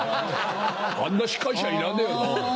あんな司会者いらねえよな？